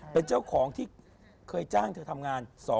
เป็นเจ้าของที่เคยจ้างเธอทำงาน